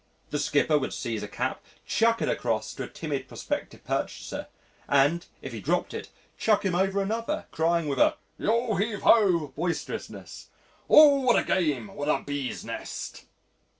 The skipper would seize a cap, chuck it across to a timid prospective purchaser, and, if he dropped it, chuck him over another, crying, with a "yo heave ho" boisterousness, "Oh! what a game, what a bees' nest."